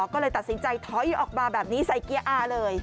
ก็เลยตัดสินใจถอยออกมาแบบนี้ใส่เกียร์อาเลย